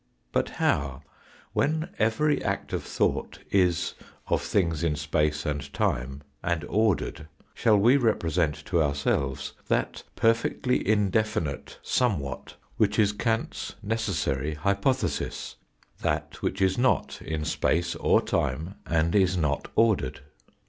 But how, when every act of thought is of things in space, and time, and ordered, shall we represent to our selves that perfectly indefinite somewhat which is Kant's necessary hypothesis that which is not in space or time and is not ordered.